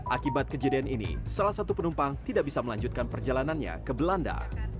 akibat kejadian ini salah satu penumpang tidak bisa melanjutkan perjalanannya ke belanda